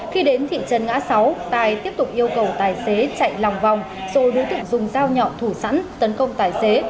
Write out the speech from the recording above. khi đến thị trấn ngã sáu tài tiếp tục yêu cầu tài xế chạy lòng vòng rồi đối tượng dùng dao nhọ thủ sẵn tấn công tài xế